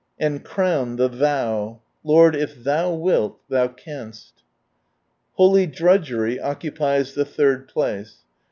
and crown the Thou —" Lord if Thou wilt, Thou canst !" Holy Drudgery occupies the third place.